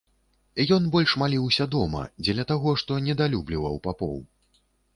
Ён больш маліўся дома дзеля таго, што недалюбліваў папоў.